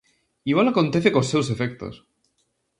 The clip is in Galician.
Igual acontece cos seus efectos.